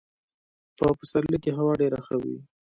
په پسرلي کي هوا ډېره ښه وي .